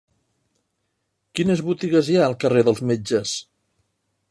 Quines botigues hi ha al carrer dels Metges?